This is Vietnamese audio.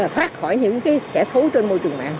thoát khỏi những kẻ xấu trên môi trường mạng